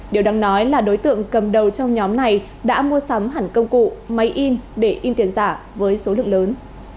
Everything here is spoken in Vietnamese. điều đáng nói là đối tượng cầm đầu trong nhóm này đã mua sắm hẳn công cụ máy in để in tiền giả với số lượng lớn